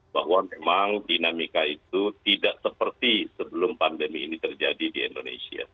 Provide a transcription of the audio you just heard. bahwa memang dinamika itu tidak seperti sebelum pandemi ini terjadi di indonesia